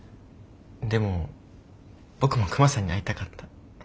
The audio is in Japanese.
でも僕もクマさんに会いたかった。